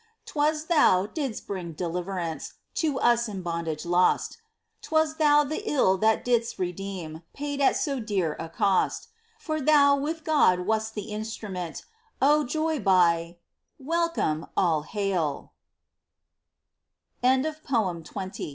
'Twas thou didst bring deliverance To us in bondage lost ; 'Twas thou the ill that didst redeem. Paid at so dear a cost. For thou, with God, wast instrument Of joy by .. .1 Welcome ! all hail !